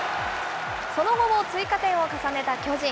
その後も追加点を重ねた巨人。